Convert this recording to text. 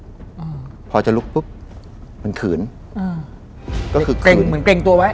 อืมพอจะลุกปุ๊บมันขืนอ่าก็คือเกร็งเหมือนเกรงตัวไว้